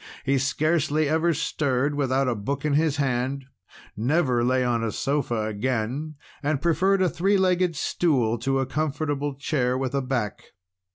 He scarcely ever stirred without a book in his hand, never lay on a sofa again, and preferred a three legged stool to a comfortable chair with a back.